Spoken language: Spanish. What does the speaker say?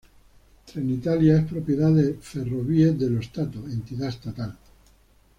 Trenitalia es propiedad de Ferrovie dello Stato, entidad estatal.